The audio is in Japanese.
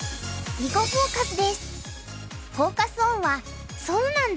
「囲碁フォーカス」です。